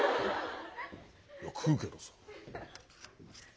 いや食うけどさ。